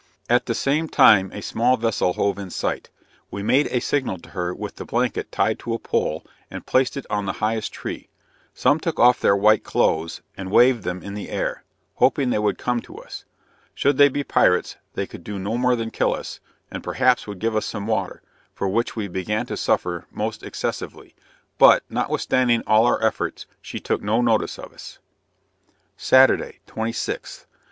At the same time a small vessel hove in sight; we made a signal to her with the blanket tied to a pole and placed it on the highest tree some took off their white clothes and waved them in the air, hoping they would come to us; should they be pirates, they could do no more than kill us, and perhaps would give us some water, for which we began to suffer most excessively; but, notwithstanding all our efforts, she took no notice of us. Saturday, 26th.